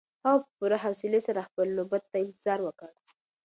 هغه په پوره حوصلي سره خپله نوبت ته انتظار وکړ.